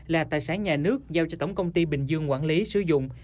là tài sản nhà nước giao cho tổng công ty bình dương quản lý sử dụng